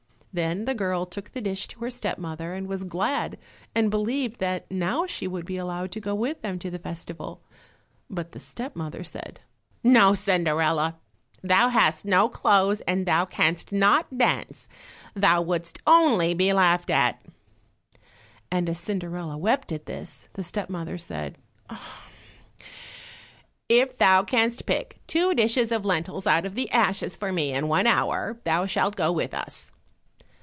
Then the girl took the dish to her step mother, and was glad, and believed that now she would be allowed to go with them to the festival. But the step mother said, "No, Cinderella, thou hast no clothes and thou canst not dance; thou wouldst only be laughed at." And as Cinderella wept at this, the step mother said, "If thou canst pick two dishes of lentils out of the ashes for me in one hour, thou shalt go with us."